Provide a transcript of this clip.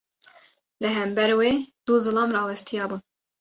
Li hember wê du zilam rawestiyabûn.